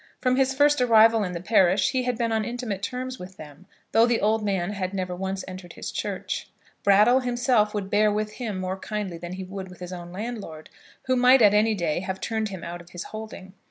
From his first arrival in the parish he had been on intimate terms with them, though the old man had never once entered his church. Brattle himself would bear with him more kindly than he would with his own landlord, who might at any day have turned him out of his holding.